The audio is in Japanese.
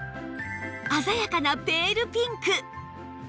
鮮やかなペールピンク